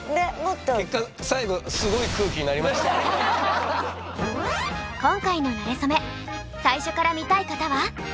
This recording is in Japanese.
結果最後今回の「なれそめ」最初から見たい方は。